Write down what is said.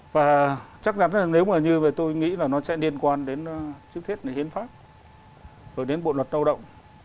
và chắc chắn là nếu mà như tôi nghĩ là nó sẽ liên quan đến trước hết hiến pháp rồi đến bộ luật lao động